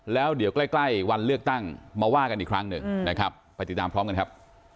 แล้วเดี๋ยวใกล้วันเลือกตั้งมาว่ากันอีกครั้งหนึ่งนะครับไปติดตามพร้อมกันครับ